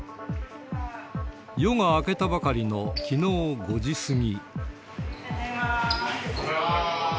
夜が明けたばかりのきのう５時過ぎ。